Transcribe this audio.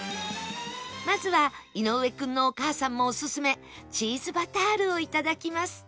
まずは井上君のお母さんもオススメチーズバタールを頂きます